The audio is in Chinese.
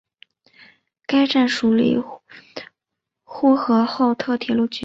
该站隶属呼和浩特铁路局。